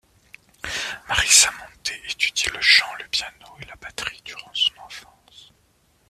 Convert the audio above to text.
Marisa Monte étudie le chant, le piano et la batterie durant son enfance.